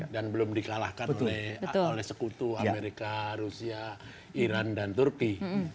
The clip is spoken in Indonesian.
dan belum dikalahkan oleh sekutu amerika rusia iran dan turki